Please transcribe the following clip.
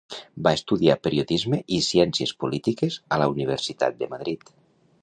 Va estudiar periodisme i ciències polítiques a la Universitat de Madrid.